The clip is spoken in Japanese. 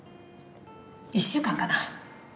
１週間かな。